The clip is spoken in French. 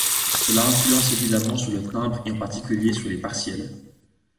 Cela influence évidemment sur le timbre et en particulier sur les partiels.